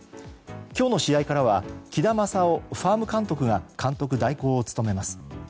今日の試合からは木田優夫ファーム監督が監督代行を務めます。